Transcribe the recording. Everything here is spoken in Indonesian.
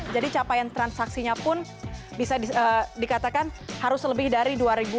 jadi capaian transaksinya pun bisa dikatakan harus lebih dari dua ribu lima belas